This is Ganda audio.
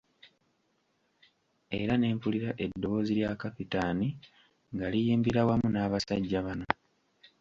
Era ne mpulira eddoboozi lya Kapitaani nga liyimbira wamu n'abasajja bano.